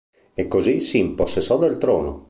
E così si impossessò del trono.